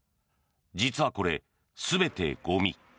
実はこれ、全てゴミ。